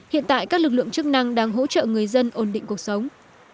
hiện tại các lực lượng chức năng đang hỗ trợ người dân ổn định cuộc sống